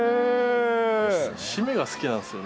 締めが好きなんですよね。